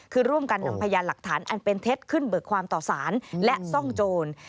คือร่วมกันนำพยานหลักฐานอันเป็นเท็จขึ้นเบิกความต่อสารและซ่องโจร